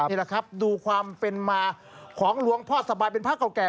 นี่แหละครับดูความเป็นมาของหลวงพ่อสบายเป็นพระเก่าแก่